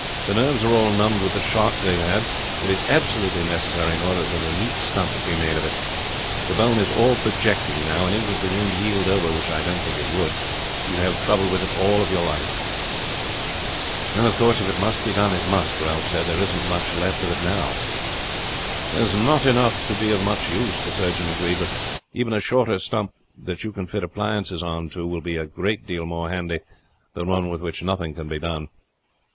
"The nerves are all numbed with the shock they have had, but it is absolutely necessary in order that a neat stump may be made of it. The bone is all projecting now; and even if the wound healed over, which I don't think it would, you would have trouble with it all your life." "Of course if it must be done, it must," Ralph said. "There isn't much left of it now." "There is not enough to be of much use," the surgeon agreed; "but even a shorter stump that you can fit appliances on to will be a great deal more handy than one with which nothing can be done."